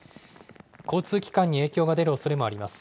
交通機関に影響が出るおそれもあります。